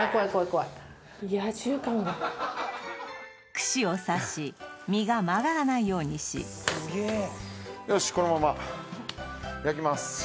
串を刺し身が曲がらないようにしよしこのまま焼きます